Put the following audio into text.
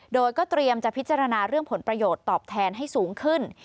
โดยก็เตรียมจะพิจารณาเรื่องผลประโยชน์ตอบแทนให้สูงขึ้น